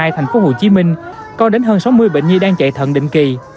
thành phố hồ chí minh có đến hơn sáu mươi bệnh nhi đang chạy thận định kỳ